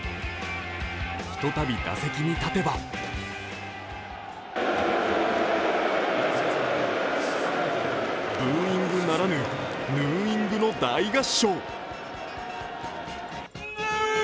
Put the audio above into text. ひとたび打席に立てばブーイングならぬヌーイングの大合唱。